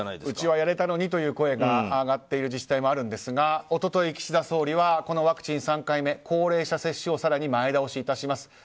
うちはやれたのにという声が上がっている自治体もあるんですが一昨日、岸田総理はこのワクチン３回目高齢者接種を更に前倒しします。